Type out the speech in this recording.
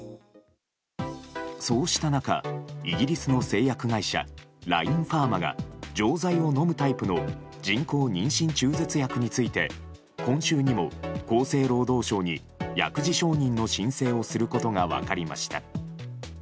そうした中、イギリスの製薬会社ラインファーマが錠剤を飲むタイプの人工妊娠中絶薬について今週にも厚生労働省に薬事承認の申請をすることが分かりました。